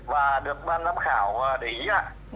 và được ban giám khảo để ý